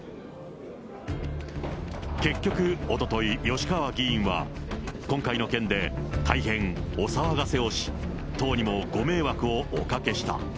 結局、おととい、吉川議員は、今回の件で大変お騒がせをし、党にもご迷惑をおかけした。